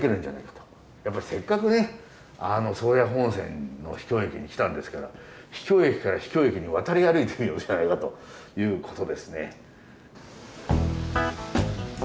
やっぱりせっかくね宗谷本線の秘境駅に来たんですから秘境駅から秘境駅に渡り歩いてみようじゃないかということですね。